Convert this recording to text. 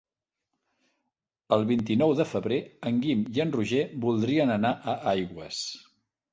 El vint-i-nou de febrer en Guim i en Roger voldrien anar a Aigües.